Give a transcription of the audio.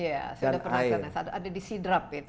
ya saya sudah pernah lihat ada di sidrap itu